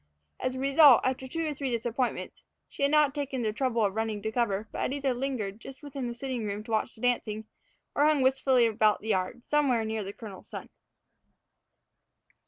As a result, after two or three disappointments, she had not taken the trouble of running to cover, but had either lingered just within the sitting room to watch the dancing, or hung wistfully about the yard, somewhere near the colonel's son.